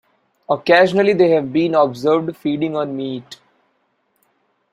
Occasionally they have been observed feeding on meat.